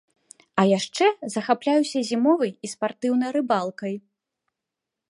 А яшчэ захапляюся зімовай і спартыўнай рыбалкай.